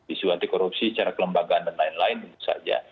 isu anti korupsi secara kelembagaan dan lain lain tentu saja